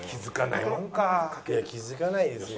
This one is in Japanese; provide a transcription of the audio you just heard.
いや気づかないですよ。